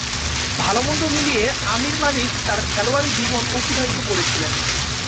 ভালো-মন্দ মিলিয়ে আমির মালিক তার খেলোয়াড়ী জীবন অতিবাহিত করেছিলেন।